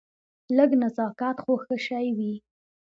لږ نزاکت خو ښه شی وي.